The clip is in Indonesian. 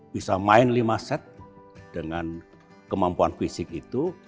bisa main lima set dengan kemampuan fisik itu